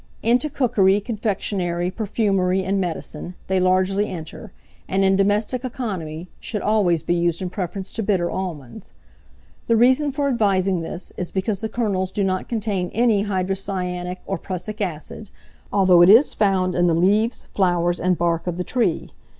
Into cookery, confectionery, perfumery, and medicine, they largely enter, and in domestic economy, should always be used in preference to bitter almonds. The reason for advising this, is because the kernels do not contain any hydrocyanic or prussic acid, although it is found in the leaves, flowers, and bark of the tree.